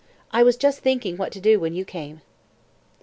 I was just thinking what to do when you came."